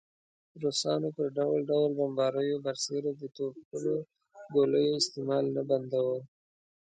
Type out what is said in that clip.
روسانو پر ډول ډول بمباریو برسېره د توپونو ګولیو استعمال نه بنداوه.